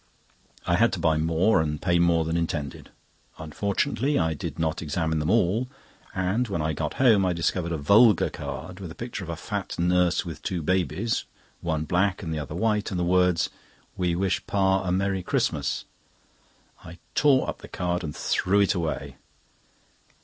I had to buy more and pay more than intended. Unfortunately I did not examine them all, and when I got home I discovered a vulgar card with a picture of a fat nurse with two babies, one black and the other white, and the words: "We wish Pa a Merry Christmas." I tore up the card and threw it away.